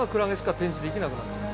展示できなくなっちゃう。